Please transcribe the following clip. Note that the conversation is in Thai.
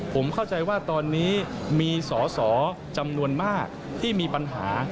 ผมเข้าใจว่าตอนนี้มีสอสอจำนวนมากที่มีปัญหา